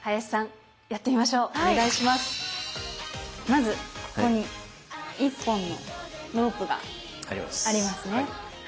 まずここに１本のロープがありますねはい。